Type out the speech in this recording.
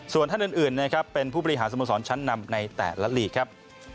ส่วนท่านอื่นเป็นผู้บริหารสมศรชั้นนำใน๘ละลีครับ